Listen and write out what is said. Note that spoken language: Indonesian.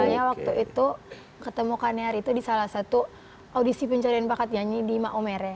kami ketemu kak kaniar itu di salah satu audisi pencarian bakat nyanyi di maomere